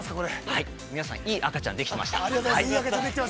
◆はい、皆さん、いい赤ちゃんできてました。